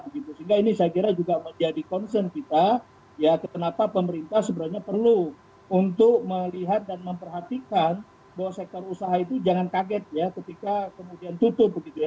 sehingga ini saya kira juga menjadi concern kita ya kenapa pemerintah sebenarnya perlu untuk melihat dan memperhatikan bahwa sektor usaha itu jangan kaget ya ketika kemudian tutup